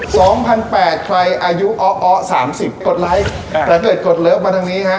สองพันแปดใครอายุออสามสิบกดไลค์อ่าแต่เกิดกดเลิฟมาทางนี้ฮะ